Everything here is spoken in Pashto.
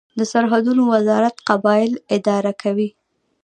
د سرحدونو وزارت قبایل اداره کوي